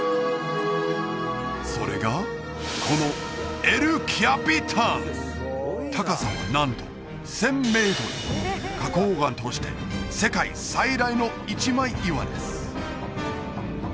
それがこの高さはなんと１０００メートル花こう岩として世界最大の一枚岩です